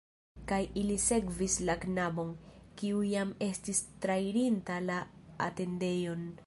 Kaj ili sekvis la knabon, kiu jam estis trairinta la atendejon.